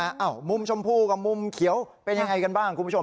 อ้าวมุมชมพูกับมุมเขียวเป็นยังไงกันบ้างคุณผู้ชม